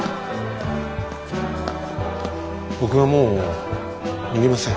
僕はもう逃げません。